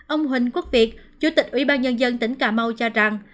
ông huỳnh quốc việt chủ tịch ủy ban nhân dân tỉnh cà mau cho rằng